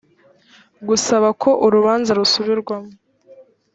gusaba ko urubanza rusubirwamo